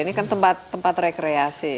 ini kan tempat tempat rekreasi